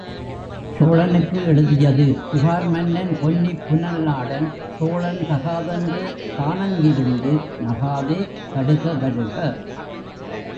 சோழனுக்கு எழுதியது புகார்மன்னன் பொன்னிப் புனல்நாடன் சோழன் தகாதென்று தானங் கிருந்து—நகாதே கடுக வருக!